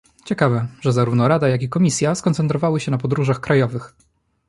Ciekawe, że zarówno Rada jak i Komisja skoncentrowały się na podróżach krajowych